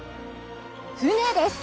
船です！